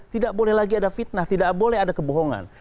tidak boleh lagi ada fitnah tidak boleh ada kebohongan